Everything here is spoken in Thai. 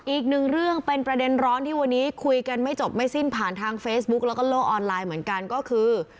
อีกหนึ่งเรื่องเป็นประเด็นร้อนที่วันนี้คุยกันไม่จบไม่สิ้นผ่านทางเฟซบุ๊กแล้วก็โลกออนไลน์เหมือนกันก็คือ